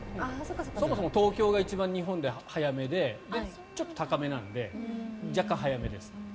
そもそも東京が日本で一番早めでちょっと高めなので若干早めです。